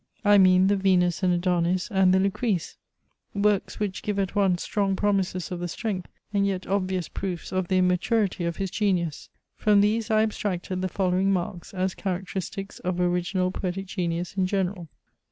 I mean the VENUS AND ADONIS, and the LUCRECE; works which give at once strong promises of the strength, and yet obvious proofs of the immaturity, of his genius. From these I abstracted the following marks, as characteristics of original poetic genius in general.